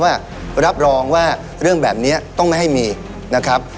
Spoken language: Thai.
ปากท้องหรืออะไรอย่างเงี้ยแหละครับ